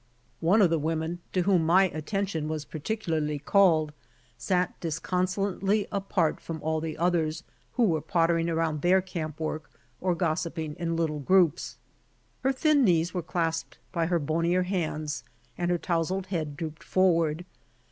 One of the women, to whom my attention was particularly called, sat disconsolately 20 BY OX TKAM TO CALIFORNIA apart from all the others, who were pottering around their camp work or gossiping in little groups. Her thin knees were clasped by her bonier hands, and her towsled head drooped forward.